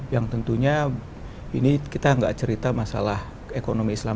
yang tentunya ini kita nggak cerita masalah ekonomi islam